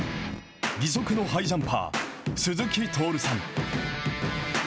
義足のハイジャンパー、鈴木徹さん。